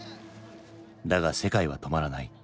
だが世界は止まらない。